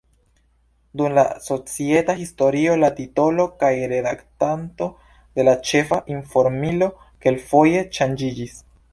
Dum la societa historio la titolo kaj redaktanto de la ĉefa informilo kelkfoje ŝanĝiĝis.